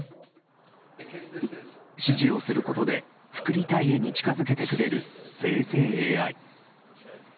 指示をすることで作りたい絵に近づけてくれる生成ＡＩ。